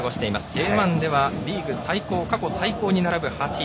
Ｊ１ではリーグ過去最高に並ぶ８位。